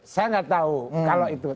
saya nggak tahu kalau itu